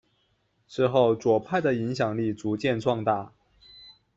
之后左派的影响力逐渐壮大。